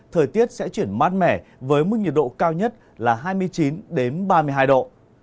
thời tiết sẽ chuyển mát mẻ với mức nhiệt độ cao nhất là hai mươi chín ba mươi hai độ